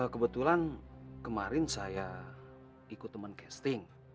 kebetulan kemarin saya ikut teman casting